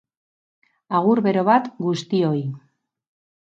Agur bero bat guztioi.